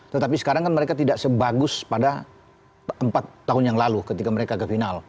tetapi sekarang kan mereka tidak sebagus pada empat tahun yang lalu ketika mereka ke final